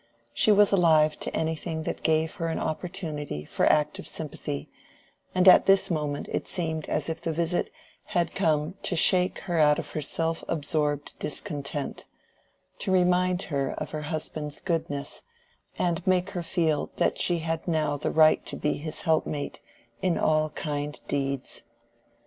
She was alive to anything that gave her an opportunity for active sympathy, and at this moment it seemed as if the visit had come to shake her out of her self absorbed discontent—to remind her of her husband's goodness, and make her feel that she had now the right to be his helpmate in all kind deeds.